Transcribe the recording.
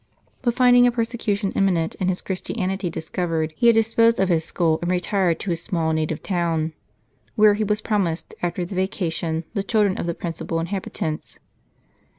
But finding a persecution imminent, and his Christianity discovered, he had disposed of his school and retired to his small native town, where he was promised, after the vacation, the children of the principal inhabitants.